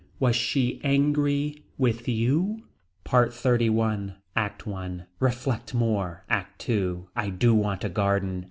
Was she angry with you. PART XXXI. ACT I. Reflect more. ACT II. I do want a garden.